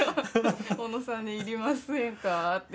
小野さんに「いりませんか？」って言って。